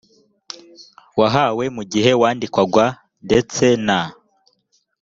wahawe mu gihe wandikwaga ndetse na